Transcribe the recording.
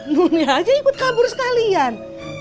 bumi aja ikut kabur sekalian